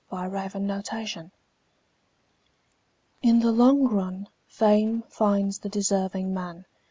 IN THE LONG RUN In the long run fame finds the deserving man.